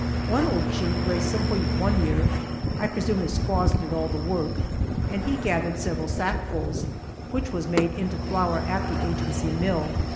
One old chief raised some wheat one year I presume his squaws did all the work and he gathered several sackfuls, which was made into flour at the agency mill.